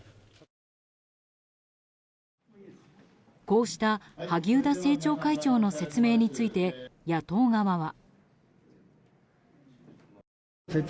こうした萩生田政調会長の説明について、野党側は。